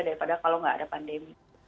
daripada kalau nggak ada pandemi